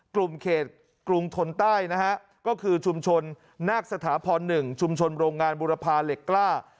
กลุ่มเขตกรุงทนใต้นะฮะก็คือชุมชนนาคสถาพร๑ชุมชนโรงงานบุรพาเหล็กกล้า